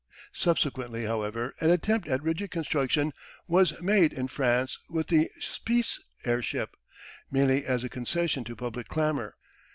Subsequently, however, an attempt at rigid construction was made in France with the "Spiess" airship, mainly as a concession to public clamour.